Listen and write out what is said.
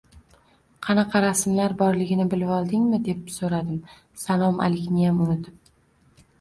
– Qanaqa rasmlar borligini bilvoldingmi? – deb so‘radim, salom-alikniyam unutib